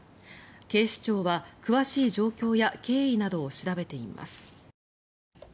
警視庁は詳しい状況や経緯などを調べています。